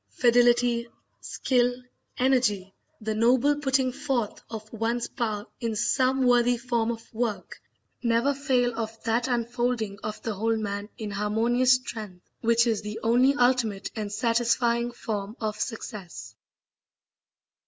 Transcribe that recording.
Fidelity, skill, energy the noble putting forth of one's power in some worthy form of work never fail of that unfolding of the whole man in harmonious strength which is the only ultimate and satisfying form of success.